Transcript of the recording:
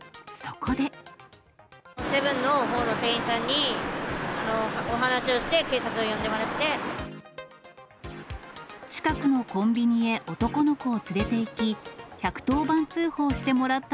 セブンのほうの店員さんにお話をして、警察を呼んでもらって。